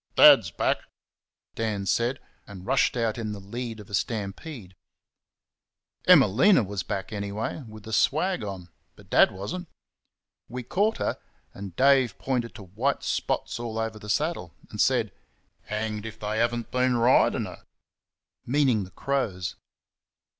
"Dad's back!" Dan said, and rushed out in the lead of a stampede. Emelina was back, anyway, with the swag on, but Dad was n't. We caught her, and Dave pointed to white spots all over the saddle, and said "Hanged if they have n't been ridin' her!" meaning the crows.